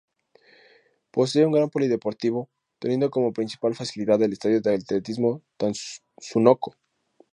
Posee un gran polideportivo, teniendo como principal facilidad el estadio de atletismo Tatsunoko.